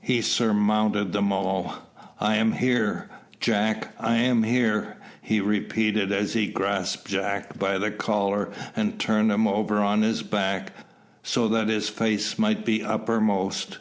He surmounted them all. "I am here. Jack! I am here!" he repeated, as he grasped Jack by the collar and turned him over on his back, so that his face might be uppermost.